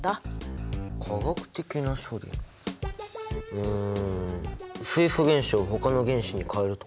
うん水素原子をほかの原子に変えるとか？